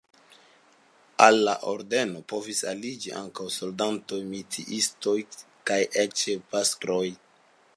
Al la ordeno povis aliĝi ankaŭ soldatoj, metiistoj kaj eĉ pastroj.